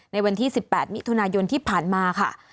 ในวันที่๑๘มิถุนายนที่ผ่านมาค่ะ